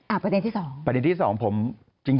อ่าประเด็นที่สอง